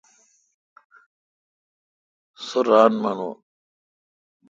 سو راین مانین۔